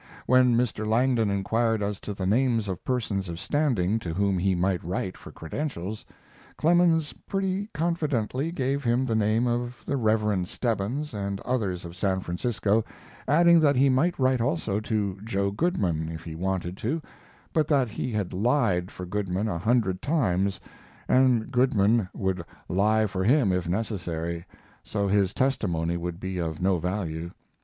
When Mr. Langdon inquired as to the names of persons of standing to whom he might write for credentials, Clemens pretty confidently gave him the name of the Reverend Stebbins and others of San Francisco, adding that he might write also to Joe Goodman if he wanted to, but that he had lied for Goodman a hundred times and Goodman would lie for him if necessary, so his testimony would be of no value.